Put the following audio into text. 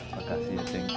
makasih ya ceng